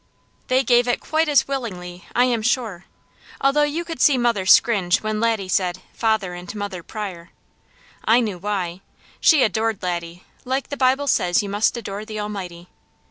They gave it quite as willingly, I am sure, although you could see mother scringe when Laddie said "Father and Mother Pryor." I knew why. She adored Laddie, like the Bible says you must adore the Almighty.